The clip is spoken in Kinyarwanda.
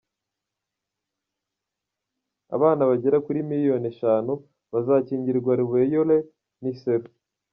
Abana bagera kuri miliyoni eshanu bazakingirwa rubeyole n’iseru